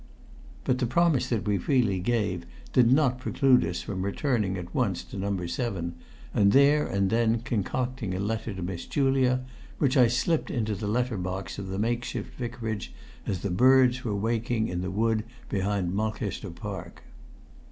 But the promise that we freely gave did not preclude us from returning at once to No. 7, and there and then concocting a letter to Miss Julia, which I slipped into the letter box of the makeshift vicarage as the birds were waking in the wood behind Mulcaster Park.